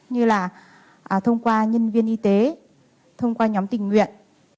như là thông qua nhân viên y tế thông qua nhóm tình nguyện